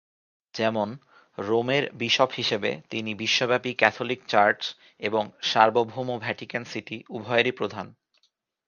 যেমন, রোমের বিশপ হিসেবে, তিনি বিশ্বব্যাপী ক্যাথলিক চার্চ এবং সার্বভৌম ভ্যাটিকান সিটি উভয়েরই প্রধান।